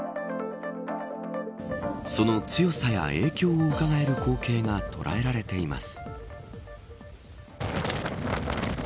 その強さや影響をうかがえる光景が捉えられています。